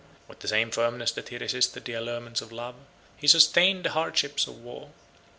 With the same firmness that he resisted the allurements of love, he sustained the hardships of war.